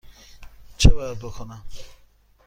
چه باید بکنم؟